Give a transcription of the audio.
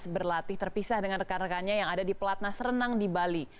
berlatih terpisah dengan rekan rekannya yang ada di pelatnas renang di bali